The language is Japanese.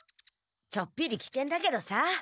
ちょっぴりきけんだけどさ。